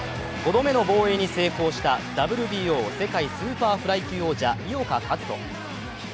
５度目の防衛に成功したＷＢＯ世界スーパーフライ級王者井岡一翔。